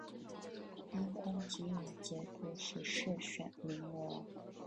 因功给予节度使世选名额。